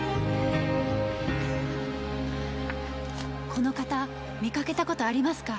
この方見かけたことありますか？